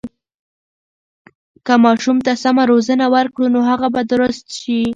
که ماشوم ته سمه روزنه ورکړو، نو هغه به درست شي.